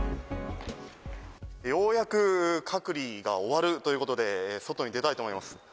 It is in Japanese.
ようやく隔離が終わるということで、外に出たいと思います。